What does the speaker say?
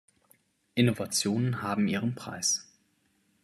Innovationen haben ihren Preis.